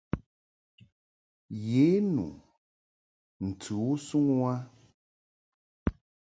Ye nu ntɨ u suŋ u a.